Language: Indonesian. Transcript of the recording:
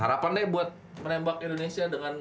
harapannya buat menembak indonesia dengan